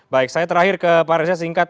baik saya terakhir ke pak reza singkat